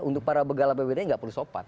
untuk para begala bwd enggak perlu sopan